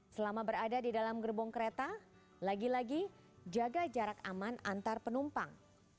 selama berada di dalam gerbong kereta lagi lagi jaga jarak aman antar penumpang